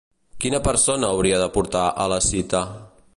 Quina persona hauria de portar a la cita?